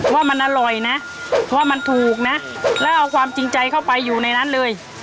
ว่ามันอร่อยนะเพราะว่ามันถูกนะแล้วเอาความจริงใจเข้าไปอยู่ในนั้นเลย